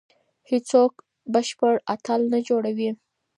هیڅوک بشپړ اتل نه جوړوي.